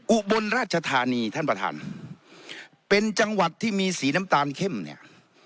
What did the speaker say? อุบลราชธานีท่านประธานเป็นจังหวัดที่มีสีน้ำตาลเข้มเนี่ย